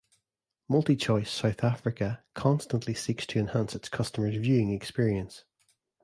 MultiChoice South Africa constantly seeks to enhance its customers' viewing experience.